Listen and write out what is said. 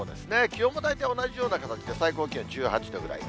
気温も大体同じような形で、最高気温１８度ぐらい。